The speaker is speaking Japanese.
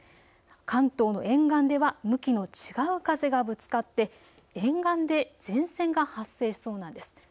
関東の沿岸では向きの違う風がぶつかって沿岸で前線が発生しそうなんです。